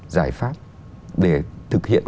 giải pháp để thực hiện